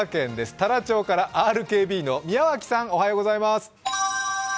太良町からＲＫＢの宮脇さんおはようございます。